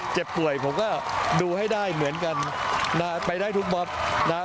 เจ็บป่วยผมก็ดูให้ได้เหมือนกันนะฮะไปได้ทุกม็อตนะครับ